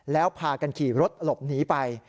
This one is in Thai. แล้วพากันขี่รถหลบหนีไป